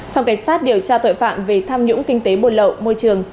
phòng cảnh sát điều tra tội phạm về tham nhũng kinh tế buồn lậu môi trường